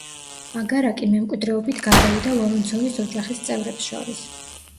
აგარაკი მემკვიდრეობით გადავიდა ვორონცოვის ოჯახის წევრებს შორის.